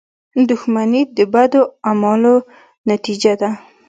• دښمني د بدو اعمالو نتیجه ده.